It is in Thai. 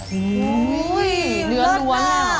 โอ้โฮเนื้อรวดแหละหรอ